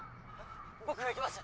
「僕が行きます！」